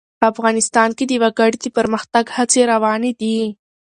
افغانستان کې د وګړي د پرمختګ هڅې روانې دي.